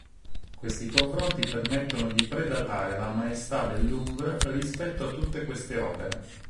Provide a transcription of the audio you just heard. Questi confronti permettono di pre-datare la Maestà del Louvre rispetto a tutte queste opere.